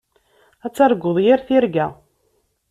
Ad targuḍ yir tirga.